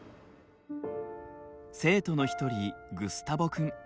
生徒の一人グスタボ君。